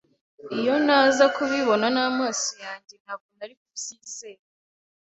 Iyo ntaza kubibona n'amaso yanjye, ntabwo nari kubyizera.